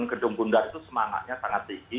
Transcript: gedung bundar itu semangatnya sangat tinggi